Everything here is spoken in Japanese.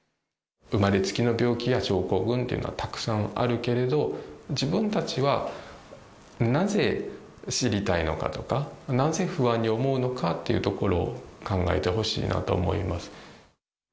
生まれつきの病気や症候群というのはたくさんあるけれども、自分たちは、なぜ知りたいのかとか、なぜ不安に思うのかっていうところを考えてほしいなと思います。